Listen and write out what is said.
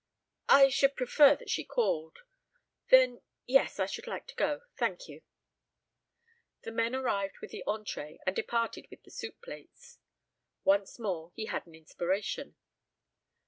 "I should prefer that she called. Then yes, I should like to go. Thank you." The men arrived with the entrée and departed with the soup plates. Once more he had an inspiration.